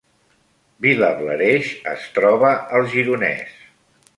Vilablareix es troba al Gironès